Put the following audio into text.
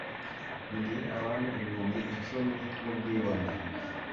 mugihe abami ibihumbi icumi, nkubwibone